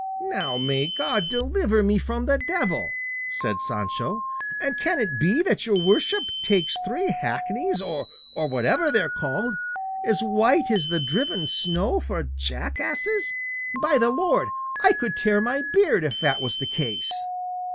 "Now, may God deliver me from the devil!" said Sancho, "and can it be that your worship takes three hackneys or whatever they're called as white as the driven snow, for jackasses? By the Lord, I could tear my beard if that was the case!"